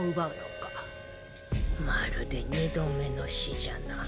まるで２度目の死じゃな。